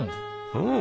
うん。